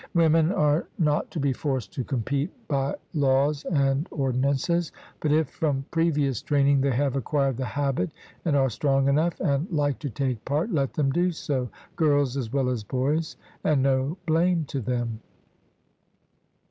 Women are not to be forced to compete by laws and ordinances; but if from previous training they have acquired the habit and are strong enough and like to take part, let them do so, girls as well as boys, and no blame to them.